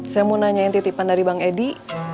saya mau nanyain titipan dari bang edi